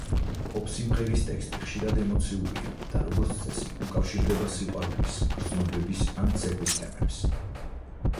პოპ სიმღერის ტექსტი ხშირად ემოციურია და როგორც წესი, უკავშირდება სიყვარულის, გრძნობების ან ცეკვის თემებს.